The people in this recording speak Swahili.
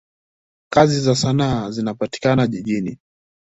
Kazi za sanaa zinapatikana jijini.